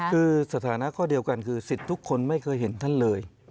คือสถานะข้อเดียวกันคือสิทธิ์ทุกคนไม่เคยเห็นท่านเลย